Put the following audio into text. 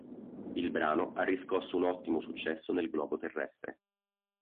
Il brano ha riscosso un ottimo successo nel globo terrestre.